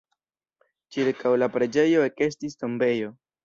Ĉirkaŭ la preĝejo ekestis tombejo.